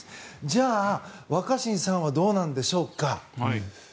じゃあ若新さんはどうなんでしょうか。